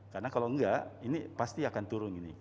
karena kalau enggak ini pasti akan turun ini